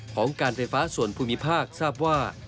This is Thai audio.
ของการไฟฟ้าส่วนภูมิภาคทราบว่า